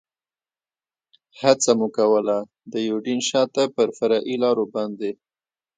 هڅه مو کول، د یوډین شاته پر فرعي لارو باندې.